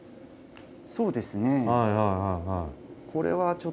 そうですね。